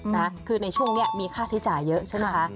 นะคือในช่วงนี้มีค่าใช้จ่ายเยอะใช่ไหมคะ